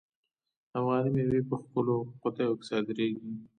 افغاني میوې په ښکلو قطیو کې صادریږي.